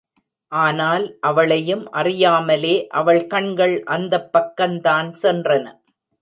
ஆனால் அவளையும் அறியாமலே அவள் கண்கள் அந்தப் பக்கந்தான் சென்றன.